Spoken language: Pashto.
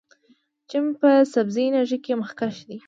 چین په سبزې انرژۍ کې مخکښ دی.